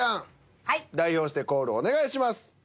代表してコールをお願いします。